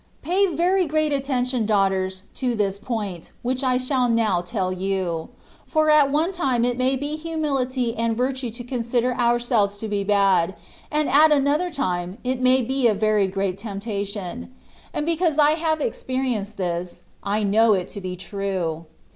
Pay very great attention, daughters, to this point, which I shall now tell you ; for at one time it may be humility and virtue to consider our selves to be bad, and at another time it may be a very great temptation ; and because I have expe rienced this, I know it to be true.